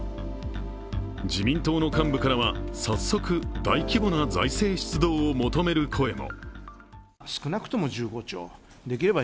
自民党の幹部からは早速大規模な財政出動を求める声も。